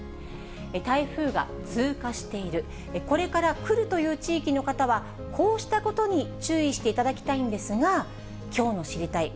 台風が通過している、これから来るという地域の方は、こうしたことに注意していただきんですが、きょうの知りたいッ！